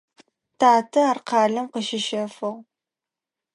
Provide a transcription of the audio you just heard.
Татэ ар къалэм къыщищэфыгъ.